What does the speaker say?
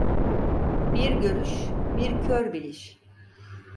Bir görüş, bir kör biliş.